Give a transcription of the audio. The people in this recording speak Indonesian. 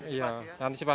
buat antisipasi ya